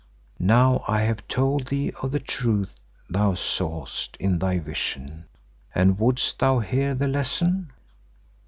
Now I have told thee of the Truth thou sawest in thy vision and wouldst thou hear the Lesson?"